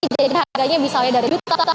jadi harganya misalnya dari juta